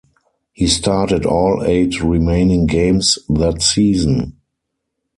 He started all eight remaining games that season.